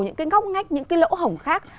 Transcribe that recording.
những cái ngóc ngách những cái lỗ hổng khác